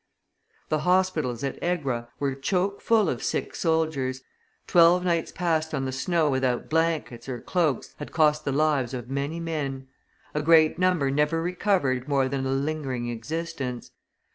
The hospitals at Egra were choke full of sick soldiers; twelve nights passed on the snow without blankets or cloaks had cost the lives of many men; a great number never recovered more than a lingering existence.